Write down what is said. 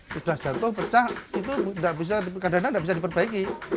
sudah jatuh pecah itu kadang kadang tidak bisa diperbaiki